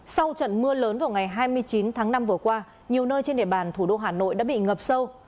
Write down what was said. sau trận mưa lớn vào ngày hai mươi chín tháng năm vừa qua nhiều nơi trên địa bàn thủ đô hà nội đã bị ngập sâu